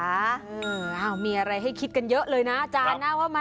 เออเอ้ามีอะไรให้คิดกันเยอะเลยนะอาจารย์น่าว่ะมั้ย